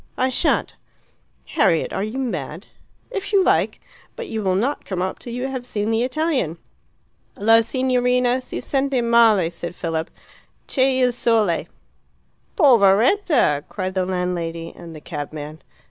"I shan't." "Harriet, are you mad?" "If you like. But you will not come up till you have seen the Italian." "La signorina si sente male," said Philip, "C' e il sole." "Poveretta!" cried the landlady and the cabman.